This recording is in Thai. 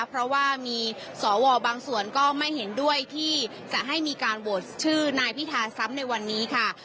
เพราะว่ามีสวบางส่วนก็ไม่เห็นด้วยที่จะให้มีการโหวตชื่อนายพิธาซ้ำในวันนี้ค่ะ